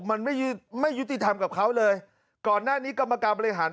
มันไม่ยุติธรรมกับเขาเลยก่อนหน้านี้กรรมการบริหาร